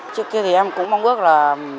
trước kia thì em cũng mong ước là